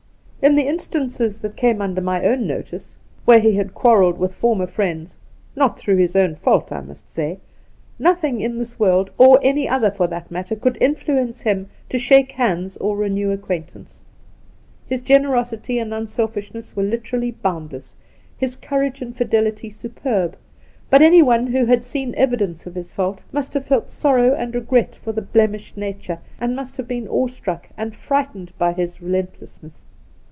In the instances that came under my own notice, where he had quarrelled with former friends — not through his own fault, I must say — nothing in this world, or any other, for that matter, could influence him to shake hands or renew acquaintance. His gener The Outspan 31 osity and unselfishness were literally boundless, his courage and fidelity superb ; but anyone who had seen evidence of his fault must have felt sorrow and regret for the blemished nature, and must have been awestruck and frightened by his relentlessness.